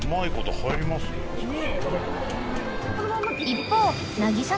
［一方］